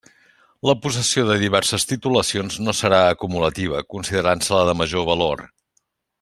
La possessió de diverses titulacions no serà acumulativa, considerant-se la de major valor.